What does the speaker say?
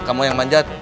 kamu yang panjat